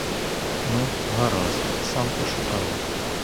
Ну, гаразд, сам пошукаю.